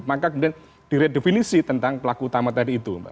maka kemudian diredefinisi tentang pelaku utama tadi itu mbak